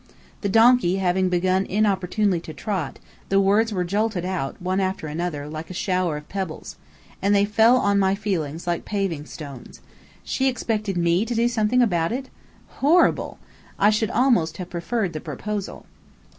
The donkey having begun inopportunely to trot, the words were jolted out, one after another, like a shower of pebbles. And they fell on my feelings like paving stones. She expected me to do something about it! Horrible! I should almost have preferred the proposal.